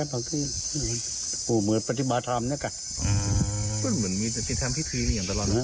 เหมือนมีติดทำพิธีนี้อย่างตลอด